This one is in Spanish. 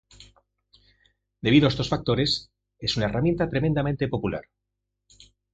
Debido a estos factores, es una herramienta tremendamente popular.